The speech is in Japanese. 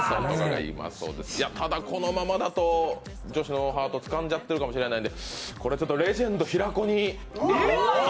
このままだと審査員のハートつかんじゃってるかもしれないので元祖平子に。